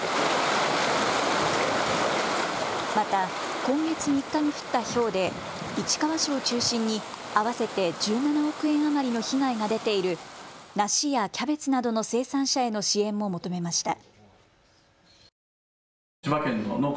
また今月３日に降ったひょうで市川市を中心に合わせて１７億円余りの被害が出ている梨やキャベツなどの生産者への支援も求めました。